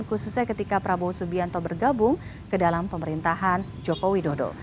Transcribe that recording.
khususnya ketika prabowo subianto bergabung ke dalam pemerintahan joko widodo